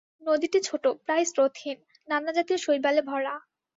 নদীটি ছোটো, প্রায় স্রোতহীন, নানাজাতীয় শৈবালে ভরা।